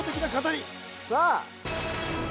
さあ！